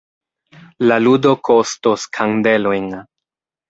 La ludo kostos kandelojn.